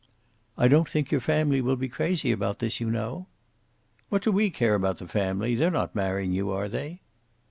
"I don't think your family will be crazy about this, you know." "What do we care for the family? They're not marrying you, are they?"